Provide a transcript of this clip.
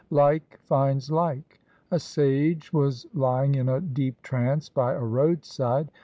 LIKE FINDS LIKE A sage was lying in a deep trance by a roadside.